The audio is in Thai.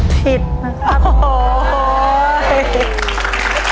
ผิดนะครับ